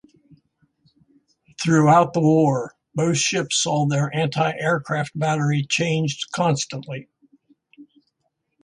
Throughout the war, both ships saw their anti-aircraft battery changed constantly.